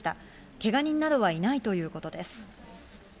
けが人などは、いないということです。